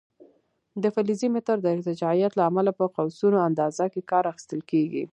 د فلزي متر د ارتجاعیت له امله په قوسونو اندازه کې کار اخیستل کېږي.